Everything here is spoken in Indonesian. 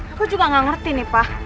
aku juga gak ngerti nih pak